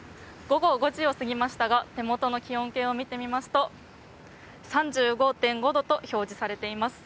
午後５時を過ぎてましたが手元の気温計を見てみますと３５．５度と表示されています。